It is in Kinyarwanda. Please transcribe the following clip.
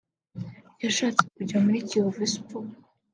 yashatse kujya muri Kiyovu Sport